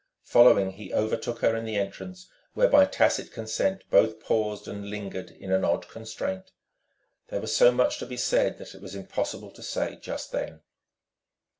Following, he overtook her in the entrance, where by tacit consent both paused and lingered in an odd constraint. There was so much to be said that was impossible to say just then.